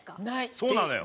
そうなのよ。